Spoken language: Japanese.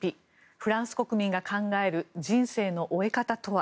フランス国民が考える人生の終え方とは。